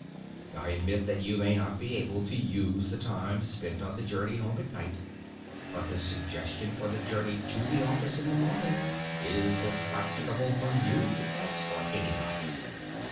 I admit that you may not be able to use the time spent on the journey home at night; but the suggestion for the journey to the office in the morning is as practicable for you as for anybody.